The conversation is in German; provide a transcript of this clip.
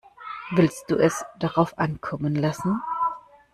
Willst du es drauf ankommen lassen?